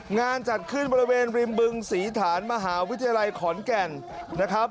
งานจัดขึ้นบริเวณริมบึงศรีฐานมหาวิทยาลัยขอนแก่นนะครับ